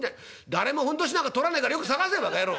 誰もふんどしなんか取らねえからよく捜せバカ野郎。